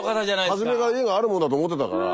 はじめから家があるもんだと思ってたから。